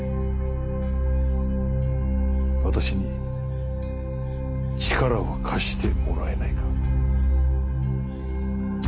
私に力を貸してもらえないか？